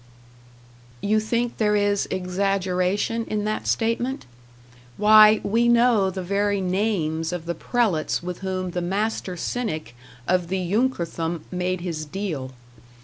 You think there is exaggeration in that statement? Why, we know the very names of the prelates with whom the master cynic of the Junkerthum made his "deal."